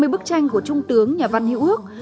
hai mươi bức tranh của trung tướng nhà văn hữu ước